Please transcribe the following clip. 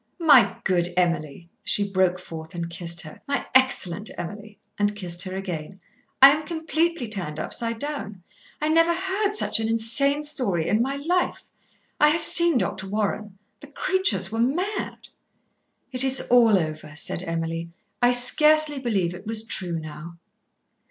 "My good Emily," she broke forth and kissed her. "My excellent Emily," and kissed her again. "I am completely turned upside down. I never heard such an insane story in my life. I have seen Dr. Warren. The creatures were mad." "It is all over," said Emily. "I scarcely believe it was true now."